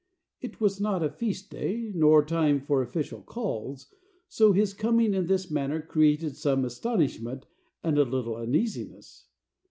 It was not a feast day nor time for official calls, so his coming in this manner created some astonishment and a little uneasiness.